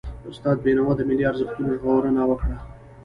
استاد بينوا د ملي ارزښتونو ژغورنه وکړه.